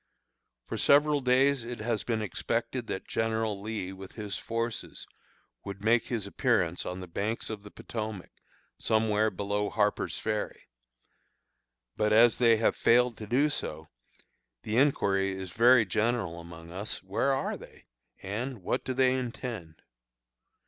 For several days it has been expected that General Lee, with his forces, would make his appearance on the banks of the Potomac, somewhere below Harper's Ferry. But as they have failed to do so, the inquiry is very general among us, "Where are they?" and, "What do they intend?"